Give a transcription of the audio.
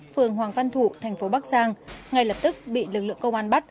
phường hoàng văn thụ thành phố bắc giang ngay lập tức bị lực lượng công an bắt